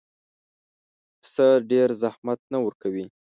پسه ډېر زحمت نه ورکوي.